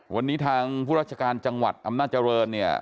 วันนี้ทางผู้ราชการจังหวัดอำนาจริงเนี่ย